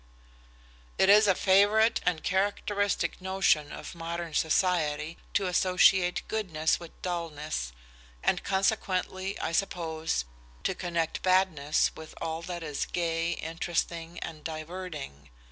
"It is a favorite and characteristic notion of modern society to associate goodness with dullness, and consequently, I suppose, to connect badness with all that is gay, interesting, and diverting.